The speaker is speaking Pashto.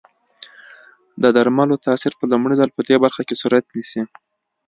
د درملو تاثیر په لومړي ځل پدې برخه کې صورت نیسي.